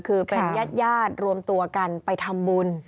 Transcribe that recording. คือเป็นญาติญาติรวมตัวกันไปทำบุญ